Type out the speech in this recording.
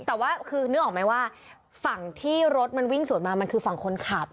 แต่ว่าคือนึกออกไหมว่าฝั่งที่รถมันวิ่งสวนมามันคือฝั่งคนขับ